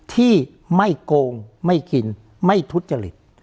ที่ไม่โกงไม่กินไม่ทุจริต